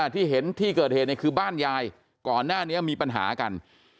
ที่เห็นที่เกิดเหตุคือบ้านยายก่อนหน้านี้มีปัญหากัน